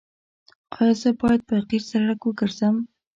ایا زه باید په قیر سړک وګرځم؟